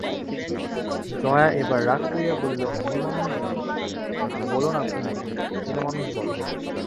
জয়া এবার রাগ করিয়া বলিল, মেয়েমানুষ বোলো না কুমুদ, ছেলেমানুষ বলো।